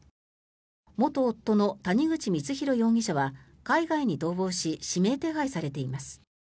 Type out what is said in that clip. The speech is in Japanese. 元夫の谷口光弘容疑者は海外に逃亡し指名手配されています。